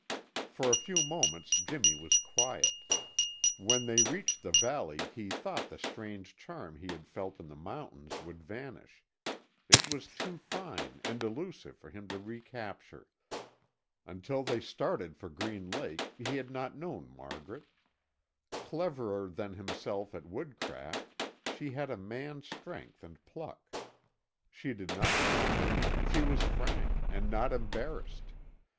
For a few moments Jimmy was quiet. When they reached the valley he thought the strange charm he had felt in the mountains would vanish; it was too fine and elusive for him to recapture. Until they started for Green Lake, he had not known Margaret. Cleverer than himself at woodcraft, she had a man's strength and pluck. She did not grumble; she was frank and not embarrassed.